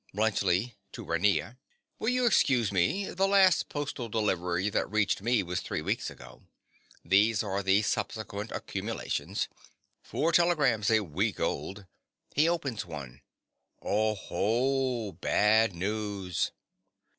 _) BLUNTSCHLI. (to Raina). Will you excuse me: the last postal delivery that reached me was three weeks ago. These are the subsequent accumulations. Four telegrams—a week old. (He opens one.) Oho! Bad news!